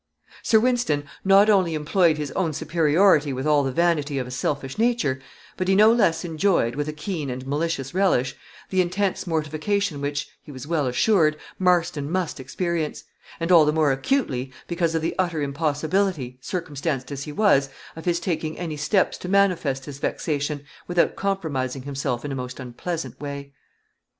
Sir Wynston not only enjoyed his own superiority with all the vanity of a selfish nature, but he no less enjoyed, with a keen and malicious relish, the intense mortification which, he was well assured, Marston must experience; and all the more acutely, because of the utter impossibility, circumstanced as he was, of his taking any steps to manifest his vexation, without compromising himself in a most unpleasant way.